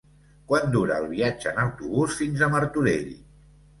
Quant dura el viatge en autobús fins a Martorell?